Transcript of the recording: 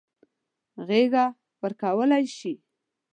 غېږه ورکولای شي.